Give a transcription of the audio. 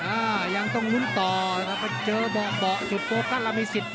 อ่ายังต้องลุ้นต่อแล้วก็เจอเบาะจุดโฟกัสแล้วมีสิทธิ์